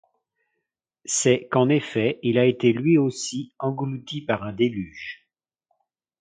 C'est qu'en effet il a été lui aussi englouti par un déluge.